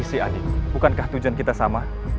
si adik bukankah tujuan kita sama